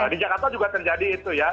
di jakarta juga terjadi itu ya